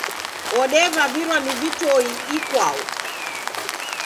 Odevavirwa ni vitoe ikwau.